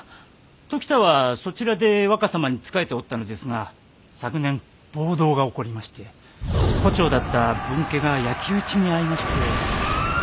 時田はそちらで若様に仕えておったのですが昨年暴動が起こりまして戸長だった分家が焼き打ちに遭いまして。